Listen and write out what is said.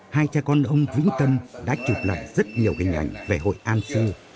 hai cha con ông vĩnh tân đã chụp lầm rất nhiều hình ảnh về hội an xưa